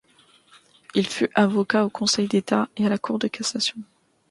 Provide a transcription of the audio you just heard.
Il fut avocat au Conseil d'État et à la Cour de cassation.